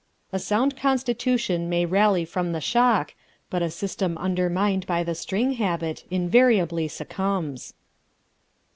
A sound constitution may rally from the shock, but a system undermined by the string habit invariably succumbs.